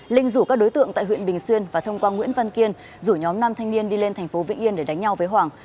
linh rủ các đối tượng tại huyện bình xuyên và thông qua nguyễn văn kiên rủ nhóm nam thanh niên đi lên thành phố vĩnh yên để đánh nhau với hoàng